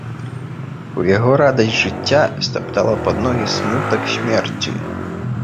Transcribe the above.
У яго радасць жыцця стаптала пад ногі смутак смерці.